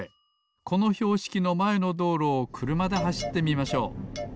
このひょうしきのまえのどうろをくるまではしってみましょう。